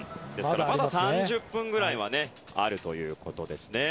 まだ３０分ぐらいはあるということですね。